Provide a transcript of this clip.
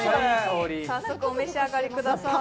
お召し上がりください。